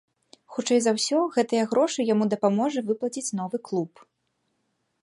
Хутчэй за ўсё, гэтыя грошы яму дапаможа выплаціць новы клуб.